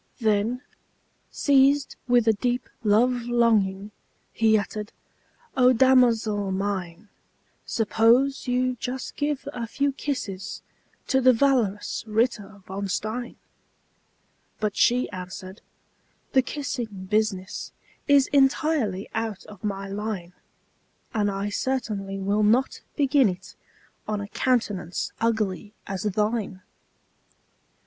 Then, seized with a deep love longing, He uttered, "O damosel mine, Suppose you just give a few kisses To the valorous Ritter von Stein!" But she answered, "The kissing business Is entirely out of my line; And I certainly will not begin it On a countenance ugly as thine!"